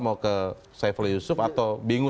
mau ke saifullah yusuf atau bingung